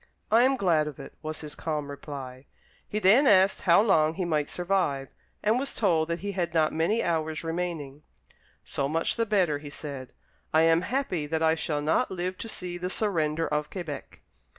"I am glad of it," was his calm reply. He then asked how long he might survive, and was told that he had not many hours remaining. "So much the better," he said; "I am happy that I shall not live to see the surrender of Quebec."